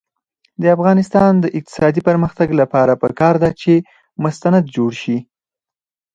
د افغانستان د اقتصادي پرمختګ لپاره پکار ده چې مستند جوړ شي.